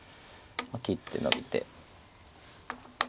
切ってノビて。